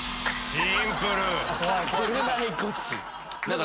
シンプル！